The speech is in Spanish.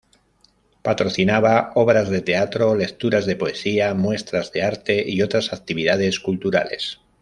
Patrocinaba obras de teatro, lecturas de poesía, muestras de arte y otras actividades culturales.